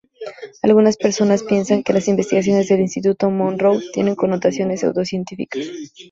Algunas personas piensan que las investigaciones del Instituto Monroe tienen connotaciones pseudocientíficas.